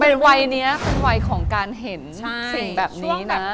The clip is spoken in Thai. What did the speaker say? เป็นวัยของการเห็นสิ่งแบบนี้เนอะ